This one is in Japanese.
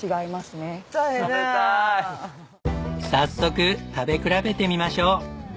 早速食べ比べてみましょう。